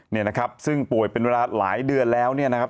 เนี่ยนะครับซึ่งป่วยเป็นเวลาหลายเดือนแล้วเนี่ยนะครับ